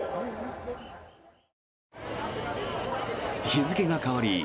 日付が変わり